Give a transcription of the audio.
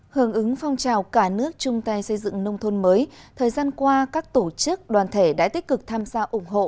hưởng ứng phong trào cả nước chung tay xây dựng nông thôn mới thời gian qua các tổ chức đoàn thể đã tích cực tham gia ủng hộ